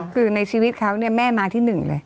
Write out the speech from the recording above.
คือในชีวิตเขาเนี่ยแม่มาที่หนึ่งเลย